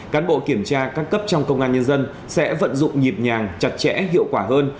cán bộ kiểm tra các cấp trong công an nhân dân sẽ vận dụng nhịp nhàng chặt chẽ hiệu quả hơn